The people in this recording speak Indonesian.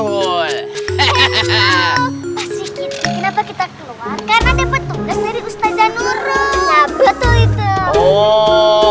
karena dapat tugas dari ustazah nurul